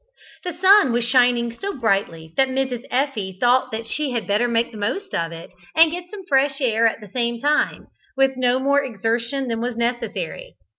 The sun was shining so brightly that Mrs. Effie thought that she had better make the most of it, and get some fresh air at the same time, with no more exertion than was necessary.